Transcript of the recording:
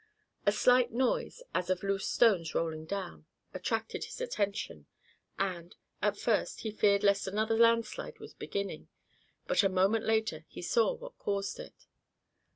A slight noise, as of loose stones rolling down, attracted his attention, and, at first, he feared lest another landslide was beginning, but a moment later he saw what caused it.